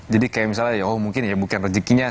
jadi kayak misalnya ya mungkin ya bukan rezekinya